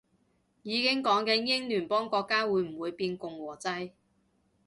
已經講緊英聯邦國家會唔會變共和制